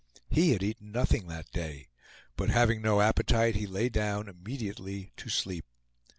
He had eaten nothing that day; but having no appetite, he lay down immediately to sleep.